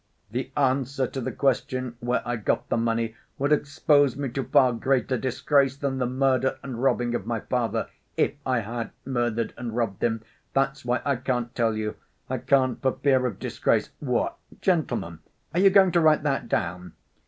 The answer to the question where I got the money would expose me to far greater disgrace than the murder and robbing of my father, if I had murdered and robbed him. That's why I can't tell you. I can't for fear of disgrace. What, gentlemen, are you going to write that down?"